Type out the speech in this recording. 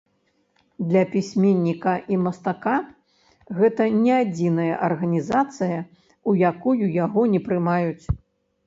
Для пісьменніка і мастака гэта не адзіная арганізацыя, у якую яго не прымаюць.